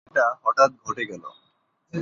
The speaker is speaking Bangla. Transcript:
এটা হঠাৎ ঘটে গেল।